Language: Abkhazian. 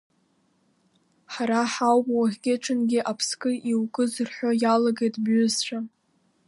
Ҳара ҳауп уахгьы-ҽынгьы аԥскы иукыз рҳәо иалагеит бҩызцәа!